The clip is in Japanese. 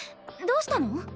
どうしたの？